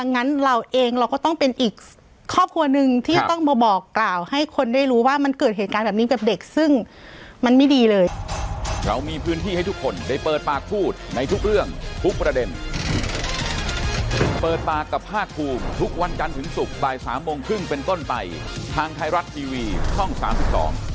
งั้นเราเองเราก็ต้องเป็นอีกครอบครัวหนึ่งที่จะต้องมาบอกกล่าวให้คนได้รู้ว่ามันเกิดเหตุการณ์แบบนี้กับเด็กซึ่งมันไม่ดีเลย